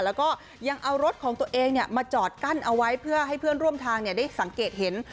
แล้วก็ยังเอารถของตัวเองมาจอดกั้นเอาไว้เพื่อให้เพื่อนร่วมทางได้สังเกตเห็น